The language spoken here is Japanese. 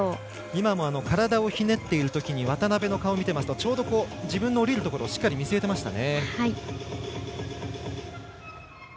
今も体をひねっているときに渡部の顔を見ていますとちょうど自分の下りるところをしっかり見据えていましたね。